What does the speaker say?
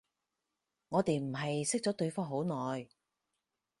我哋唔係識咗對方好耐